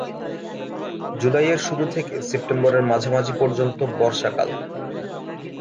জুলাইয়ের শুরু থেকে সেপ্টেম্বরের মাঝামাঝি পর্যন্ত বর্ষাকাল।